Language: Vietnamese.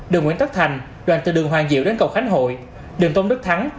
đường nguyễn tất thành đoàn từ đường hoàng diệu đến cầu khánh hội đường tôn đức thắng